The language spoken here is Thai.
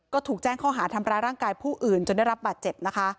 ก็ถูกแจ้งข้อหาทำร้ายร่างกายผู้อื่นจนได้รับบาดเจ็บนะคะ